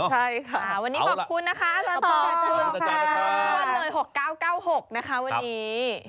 ใช่ค่ะวันนี้ขอบคุณนะคะอาจารย์ปอล์ขอบคุณค่ะวันหน่วย๖๙๙๖นะคะวันนี้